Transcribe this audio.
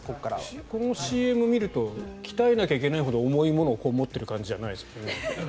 このＣＭを見ると鍛えないといけないほど重いものを持っている感じじゃないですよね。